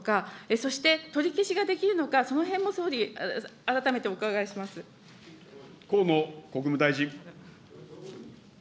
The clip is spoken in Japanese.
そして取り消しができるのか、そのへんも総理、改めてお伺いしま河野国務大臣。